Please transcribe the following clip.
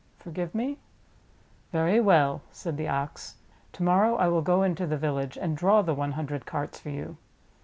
Forgive me." "Very well," said the Ox. "To morrow I will go into the village and draw the one hundred carts for you.